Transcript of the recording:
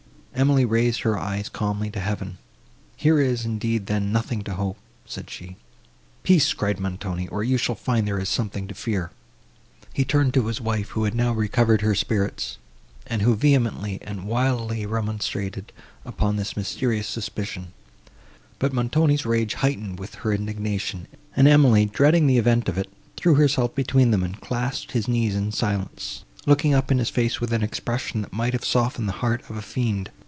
Emily raised her eyes calmly to heaven. "Here is, indeed, then, nothing to hope!" said she. "Peace!" cried Montoni, "or you shall find there is something to fear." He turned to his wife, who had now recovered her spirits, and who vehemently and wildly remonstrated upon this mysterious suspicion: but Montoni's rage heightened with her indignation, and Emily, dreading the event of it, threw herself between them, and clasped his knees in silence, looking up in his face with an expression, that might have softened the heart of a fiend.